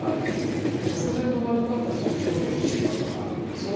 直前のワールドカップ少し調子を落としていました。